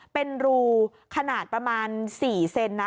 เป็นรูขนาดประมาณ๔เซนนะ